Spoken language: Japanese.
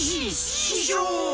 しししょう！